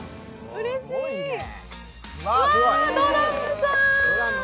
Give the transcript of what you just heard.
うわドラムさん。